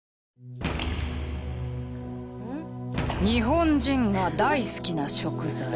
日本人が大好きな食材。